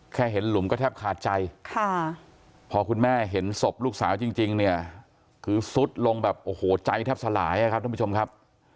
แค่เห็นหลุมก็แทบขาดใจพอคุณแม่เห็นศพลูกสาวจริงเนี่ยคือซุดลงแบบโอ้โหใจแทบสลายครับท่านผู้ชมครับ